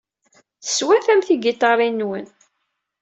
Teswatam tigiṭarin-nwen.